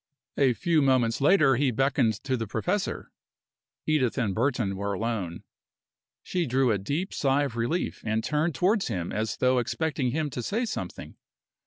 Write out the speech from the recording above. A few moments later he beckoned to the professor. Edith and Burton were alone. She drew a deep sigh of relief and turned towards him as though expecting him to say something.